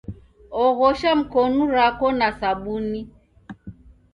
Oghosha mkonu rako na sabuni